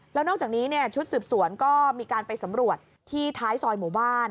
แล้วนอกจากนี้ชุดสืบสวนก็มีการไปสำรวจที่ท้ายซอยหมู่บ้าน